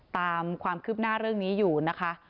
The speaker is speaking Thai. ตามความคืบหน้าเรื่องนี้อยู่นะคะ